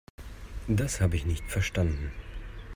Das habe ich nicht verstanden.